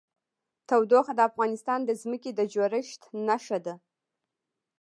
تودوخه د افغانستان د ځمکې د جوړښت نښه ده.